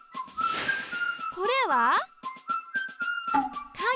これは陰。